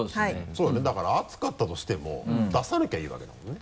そうだねだから熱かったとしても出さなきゃいいわけだもんね。